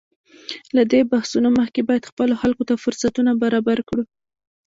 له دې بحثونو مخکې باید خپلو خلکو ته فرصتونه برابر کړو.